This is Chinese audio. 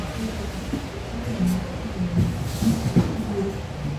刘秀峰幼年在完县中心高等小学学习。